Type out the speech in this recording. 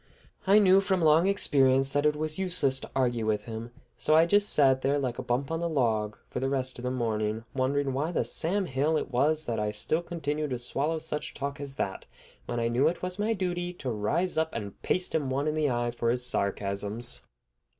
I knew from long experience that it was useless to argue with him, so I just sat there like a bump on a log for the rest of the morning, wondering why the Sam Hill it was that I still continued to swallow such talk as that, when I knew it was my duty to rise up and paste him one in the eye for his sarcasms.